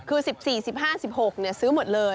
คือ๑๔๑๕๑๖ซื้อหมดเลย